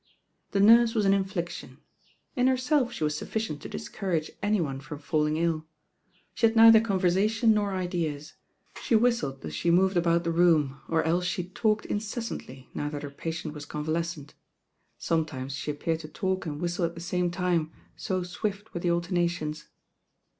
The nurse was an infliction. In herself she was sufficient to discourage any one from falling ill. She had neither conversation nor ideas, she whistled as she moved about the room, or else she talked inces santly, now that her patient was convalescent. Sometimes she appeared to talk and whistle at the same time, so swift were the alternations.